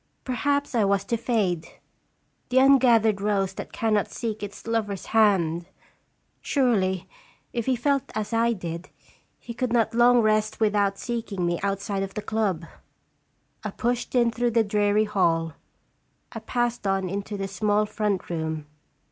Perhaps I was to fade the un gathered rose that cannot seek its lover's hand! Surely, if he felt as I did, he could not long rest without seeking me outside of the club. I pushed in through the dreary hall. I passed on into the small front room.